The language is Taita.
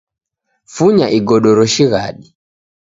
Funya igodoro shighadi.